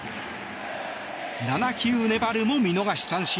７球粘るも見逃し三振。